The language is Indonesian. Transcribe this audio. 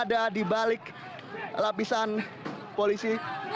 ada di balik lapisan polisi